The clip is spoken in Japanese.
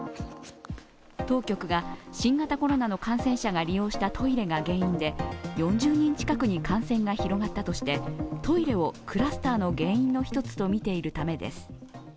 当局が新型コロナの感染者が利用したトイレが原因で４０人近くに感染が広がったとしてトイレをクラスターの原因の一つとみているためです。